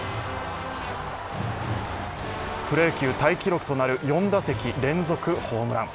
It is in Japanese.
プロ野球タイ記録となる４打席連続ホームラン。